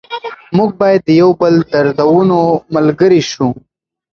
موږ باید د یو بل د دردونو ملګري شو.